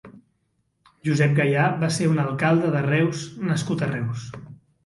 Josep Gayà va ser un alcalde de Reus nascut a Reus.